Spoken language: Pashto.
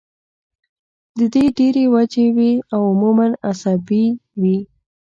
د دې ډېرې وجې وي او عموماً اعصابي وي